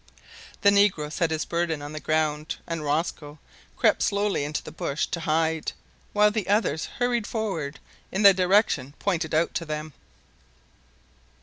The negro set his burden on the ground, and Rosco crept slowly into the bush to hide, while the others hurried forward in the direction pointed out to them.